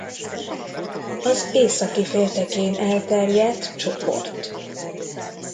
Az északi féltekén elterjedt csoport.